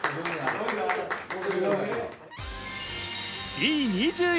Ｂ２１